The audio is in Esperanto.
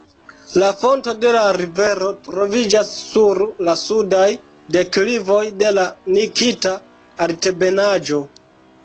La fonto de la rivero troviĝas sur la sudaj deklivoj de la Nikita altebenaĵo.